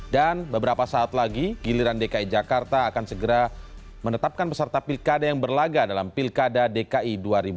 dan beberapa saat lagi giliran dki jakarta akan segera menetapkan peserta pilkada yang berlaga dalam pilkada dki dua ribu tujuh belas